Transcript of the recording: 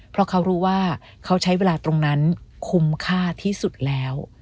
เพราะเขารู้ว่าเขาใช้เวลาตรงนั้นคุ้มค่าที่สุดแล้ว